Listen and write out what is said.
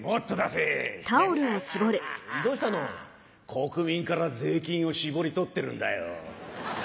国民から税金を搾り取ってるんだよ。